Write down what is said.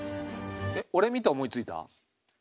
えっ俺見て思いついた？